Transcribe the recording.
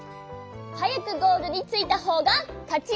はやくゴールについたほうがかち！